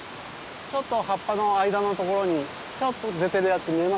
ちょっと葉っぱの間のところにちょっと出てるやつ見えますかね？